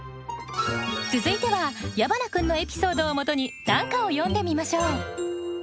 続いては矢花君のエピソードをもとに短歌を詠んでみましょう。